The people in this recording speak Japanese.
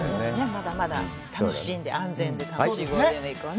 まだまだ楽しんで、安全で楽しいゴールデンウイークをね。